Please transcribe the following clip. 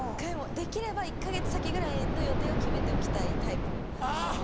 できれば１か月先ぐらいの予定を決めておきたいタイプなんです。